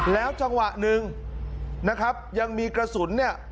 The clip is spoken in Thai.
แล้วจังหวะหนึ่งนะครับยังมีกระสุนเนี่ย